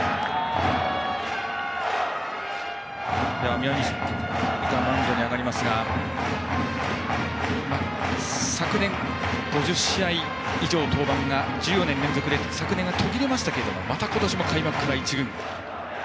宮西がマウンドに上がりましたが昨年、５０試合以上登板が昨年、途切れましたがまた今年も開幕１軍。